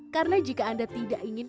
karena jika anda tidak ingin